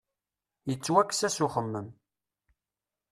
Yettwakkes-as uxemmem.